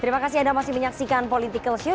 terima kasih anda masih menyaksikan political show